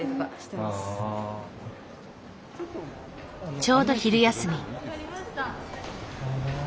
ちょうど昼休み。